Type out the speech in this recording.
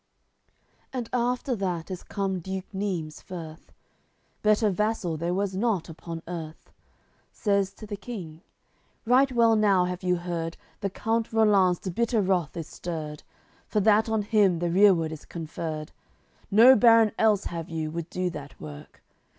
LXII And after that is come duke Neimes furth, (Better vassal there was not upon earth) Says to the King: "Right well now have you heard The count Rollanz to bitter wrath is stirred, For that on him the rereward is conferred; No baron else have you, would do that work.